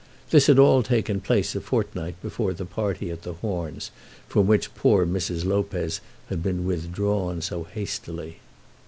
This had all taken place a fortnight before the party at the Horns from which poor Mrs. Lopez had been withdrawn so hastily.